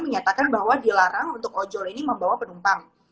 menyatakan bahwa dilarang untuk ojol ini membawa penumpang